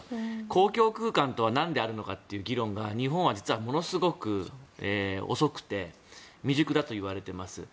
公共空間とはなんであるのかという議論が日本は実はものすごく遅くて未熟だといわれています。